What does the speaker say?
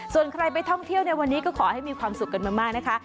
ส่วนใครไปท่องเที่ยวในวันนี้ก็ขอให้มีความสุขกันมากนะคะ